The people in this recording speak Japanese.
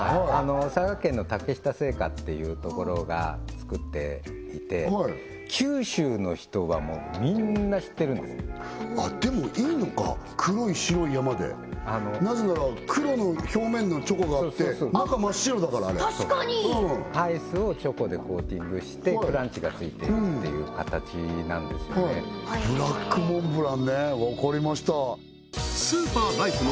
佐賀県の竹下製菓っていうところが作っていて九州の人はもうみんな知ってるんですあっでもいいのか黒い白い山でなぜなら黒の表面のチョコがあって中真っ白だからあれあっ確かにアイスをチョコでコーティングしてクランチがついているっていう形なんですよねブラックモンブランねわかりましたをおいしくする